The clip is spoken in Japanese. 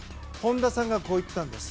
本多さんがこう言ったんです。